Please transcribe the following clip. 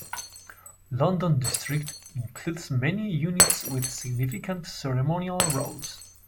London District includes many units with significant ceremonial roles.